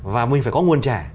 và mình phải có nguồn trả